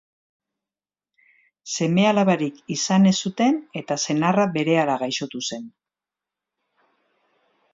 Seme-alabarik izan ez zuten eta senarra berehala gaixotu zen.